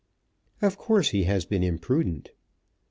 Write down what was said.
"Of course he has been imprudent."